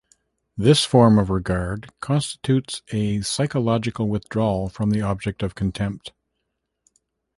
This form of regard constitutes a psychological withdrawal from the object of contempt.